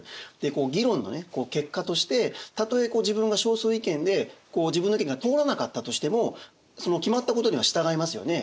議論の結果としてたとえ自分が少数意見で自分の意見が通らなかったとしても決まったことには従いますよね。